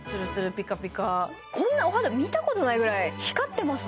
ピカピカこんなお肌見たことないぐらい光ってます